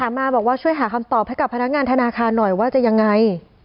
มาบอกว่าช่วยหาคำตอบให้กับพนักงานธนาคารหน่อยว่าจะยังไง